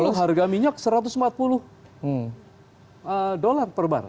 saat itu harga minyak satu ratus empat puluh dolar per barrel